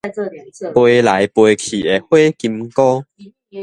飛來飛去的火金姑